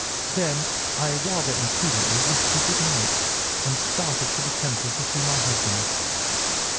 Then I, rather imprudently, wished you good night, and started for the Temple to see my husband.